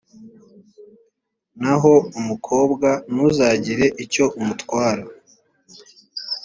naho umukobwa, ntuzagire icyo umutwara,